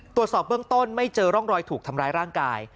ตรวจสอบเบื้องต้นไม่เจอร่องรอยถูกทำร้ายร่างกาย